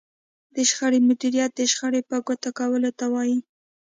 د شخړې مديريت د شخړې په ګوته کولو ته وايي.